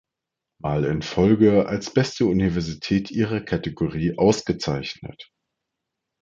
Mal in Folge als beste Universität ihrer Kategorie ausgezeichnet.